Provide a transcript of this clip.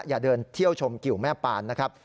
อย่าเดินเที่ยวชมกิวแม่ปานนะครับ